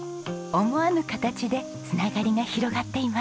思わぬ形で繋がりが広がっています。